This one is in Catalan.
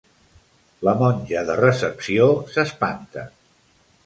La monja de recepció s'espanta.